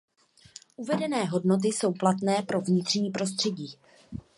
Uvedené hodnoty jsou platné pro vnitřní prostředí.